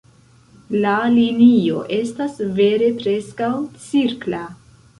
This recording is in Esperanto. La linio estas vere preskaŭ cirkla.